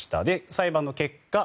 裁判の結果